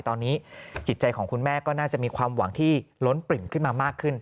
ตอนนี้จิตใจของคุณแม่ก็น่าจะมีความหวังที่ล้นปริ่มขึ้นมามากขึ้น